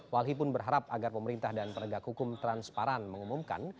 walhi pun berharap agar pemerintah dan penegak hukum transparan mengumumkan